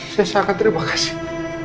saya sangat terima kasih